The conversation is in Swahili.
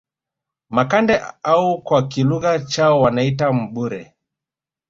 Makande au kwa kilugha chao wanaita Mbure